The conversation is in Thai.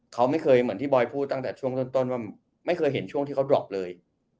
เขาไม่เคยเหมือนที่บอยพูดตั้งแต่ช่วงต้นว่าไม่เคยเห็นช่วงที่เขาดรอปเลย